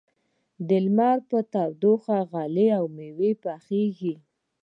د لمر په تودوخه غلې او مېوې پخېږي.